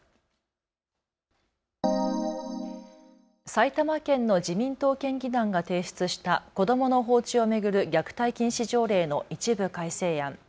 埼玉県の自民党県議団が提出した子どもの放置を巡る虐待禁止条例の一部改正案。